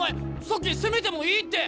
さっき攻めてもいいって。